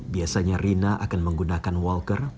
biasanya rina akan menggunakan walker